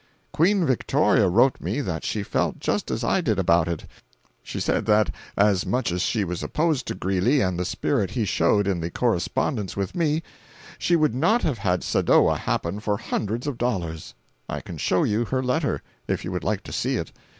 "Queen Victoria wrote me that she felt just as I did about it—she said that as much as she was opposed to Greeley and the spirit he showed in the correspondence with me, she would not have had Sadowa happen for hundreds of dollars. I can show you her letter, if you would like to see it.